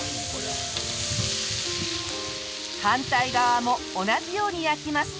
反対側も同じように焼きます。